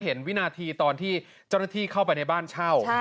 วินาทีตอนที่เจ้าหน้าที่เข้าไปในบ้านเช่า